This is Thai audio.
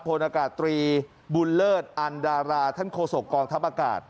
พลอากาศตรีบุญเลิศอันดาราท่านโฆษกองทัพอากาศ